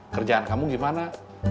kerjaan kamu gimana